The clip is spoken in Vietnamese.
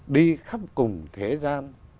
đi khắp cùng thế gian